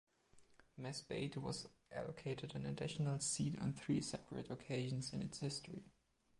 Masbate was allocated an additional seat on three separate occasions in its history.